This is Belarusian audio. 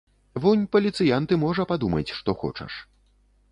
Вунь паліцыянт і можа падумаць што хочаш.